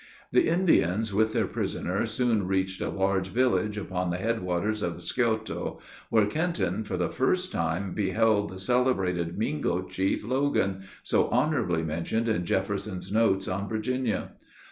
The Indians with their prisoner soon reached a large village upon the headwaters of the Scioto, where Kenton, for the first time, beheld the celebrated Mingo chief, Logan, so honorably mentioned in Jefferson's Notes on Virginia.